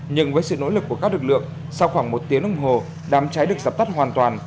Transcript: nhưng với sự nỗ lực của các lực lượng sau khoảng một tiếng đồng hồ đám cháy được dập tắt hoàn toàn